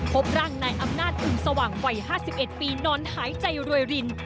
พบร่างนายอำนาจอึ่งสว่างวัย๕๑ปีนอนหายใจรวยริน